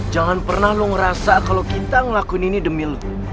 jangan pernah lo ngerasa kalau kita ngelakuin ini demi lo